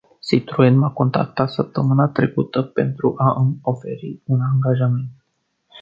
Citroen m-a contactat săptămâna trecută pentru a îmi oferi un angajament.